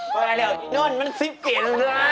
ไปแล้วนั่นมันสิบเปียน